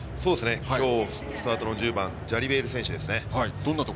今日スタートの１０番ジャリベール選手ですね。